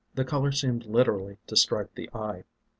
The color seemed literally to strike the eye.